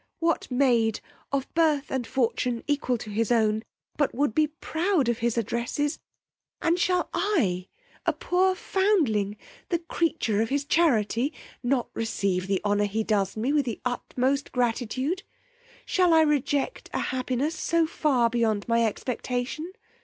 what maid of birth and fortune equal to his own but would be proud of his addresses; and shall I, a poor foundling, the creature of his charity, not receive the honour he does me with the utmost gratitude! shall I reject a happiness so far beyond my expectation!